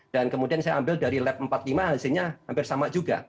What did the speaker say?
dan kemudian saya ambil dari lab empat puluh lima hasilnya hampir sama juga